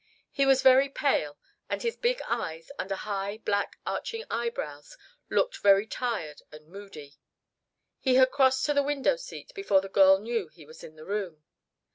He was very pale, and his big eyes, under high black arching eyebrows, looked very tired and moody. He had crossed to the window seat before the girl knew he was in the room.